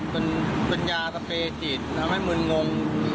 เป็นยาสเปรจิตทำให้มึนงง